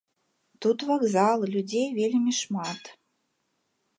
Тут вакзал, людзей вельмі шмат.